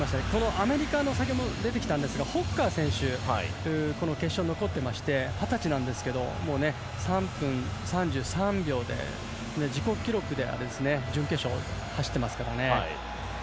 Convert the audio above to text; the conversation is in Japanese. アメリカの先ほども出てきましたがホッカー選手決勝に残っていまして二十歳なんですけど３分３３秒で自己記録で準決勝を走っていますからね。